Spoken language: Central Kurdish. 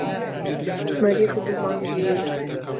مەریخ دوو مانگی هەیە.